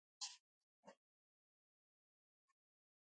ازادي راډیو د د کانونو استخراج په اړه په ژوره توګه بحثونه کړي.